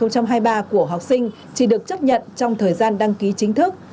của học sinh chỉ được chấp nhận trong thời gian đăng ký chính thức